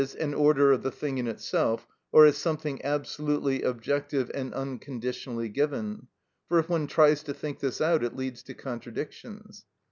_, an order of the thing in itself, or as something absolutely objective and unconditionally given, for if one tries to think this out it leads to contradictions.